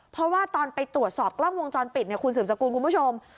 เพราะว่าตอนไปตรวจสอบกล้องวงจรปิดเนี่ยคุณสืบสกุลคุณผู้ชม